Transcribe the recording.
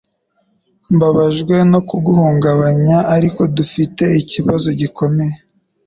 Mbabajwe no kuguhungabanya, ariko dufite ikibazo gikomeye.